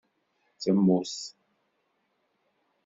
Temmut?